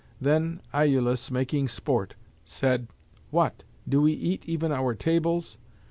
Then said Iülus, making sport, "What! do we eat even our tables?"